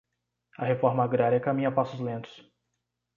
A reforma agrária caminha a passos lentos